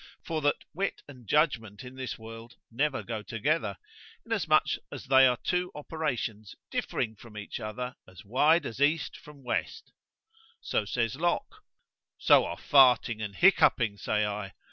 for that wit and judgment in this world never go together; inasmuch as they are two operations differing from each other as wide as east from west——So, says Locke——so are farting and hickuping, say I.